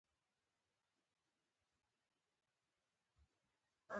د رامنځته شوې موضوع له امله خپله صادقانه بښنه وړاندې کوم.